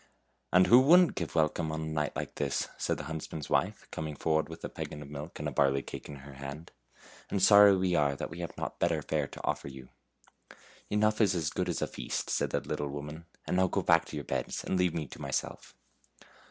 " And who wouldn't give welcome on a night like this?" said the huntsman's wife, coming forward with a peggin of milk and a barley cake in her hand, " and sorry we are we have not bet ter fare to offer you." " Enough is as good as a feast," said the little woman, "and now go back to your beds and leave me to myself."